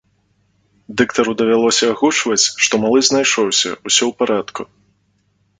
Дыктару давялося агучваць, што малы знайшоўся ўсё ў парадку.